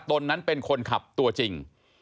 ตนนั้นเป็นคนขับตัวจริง